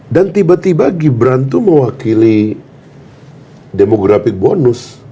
dan tiba tiba gibran itu mewakili demografik bonus